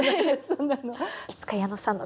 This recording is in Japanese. そんなの。